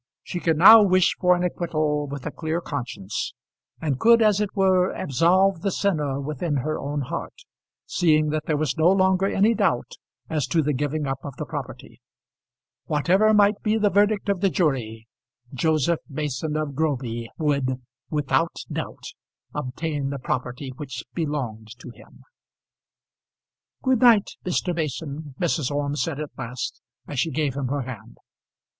She could now wish for an acquittal with a clear conscience; and could as it were absolve the sinner within her own heart, seeing that there was no longer any doubt as to the giving up of the property. Whatever might be the verdict of the jury Joseph Mason of Groby would, without doubt, obtain the property which belonged to him. "Good night, Mr. Mason," Mrs. Orme said at last, as she gave him her hand.